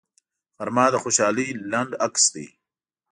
غرمه د خوشحالۍ لنډ عکس دی